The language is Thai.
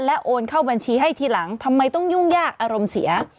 โอนเข้าบัญชีให้ทีหลังทำไมต้องยุ่งยากอารมณ์เสีย